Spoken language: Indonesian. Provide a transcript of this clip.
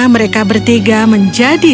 mereka bertiga menjadi